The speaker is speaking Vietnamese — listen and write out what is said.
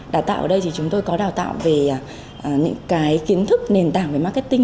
đào tạo ở đây thì chúng tôi có đào tạo về những cái kiến thức nền tảng về marketing